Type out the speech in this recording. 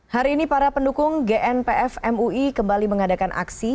hari ini para pendukung gnpf mui kembali mengadakan aksi